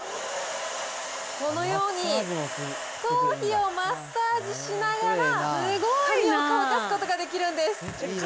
このように、頭皮をマッサージしながら髪を乾かすことができるんです。